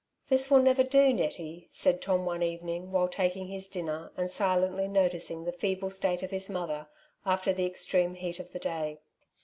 '' This will never do, Nettie,'* said Tom one even ing while taking his dinner, and silently noticing the feeble state of his mother after the extreme heat of the day.